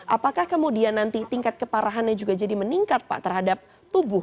apakah kemudian nanti tingkat keparahannya juga jadi meningkat pak terhadap tubuh